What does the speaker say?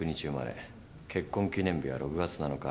結婚記念日は６月７日。